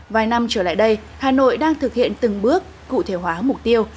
vài năm trở lại đây hà nội đang thực hiện từng bước cụ thể hóa mục tiêu